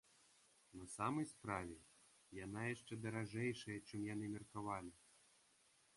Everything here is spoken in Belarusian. На самай справе, яна яшчэ даражэйшая, чым яны меркавалі.